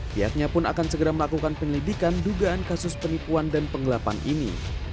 pihaknya pun akan segera melakukan penyelidikan dugaan kasus penipuan dan penggelapan ini